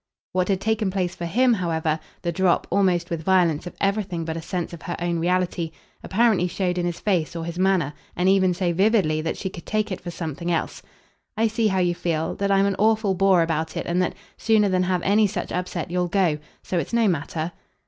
What had taken place for him, however the drop, almost with violence, of everything but a sense of her own reality apparently showed in his face or his manner, and even so vividly that she could take it for something else. "I see how you feel that I'm an awful bore about it and that, sooner than have any such upset, you'll go. So it's no matter."